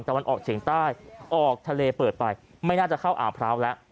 วันออกเฉียงใต้ออกทะเลเปิดไปไม่น่าจะเข้าอ่างพร้าวแล้ว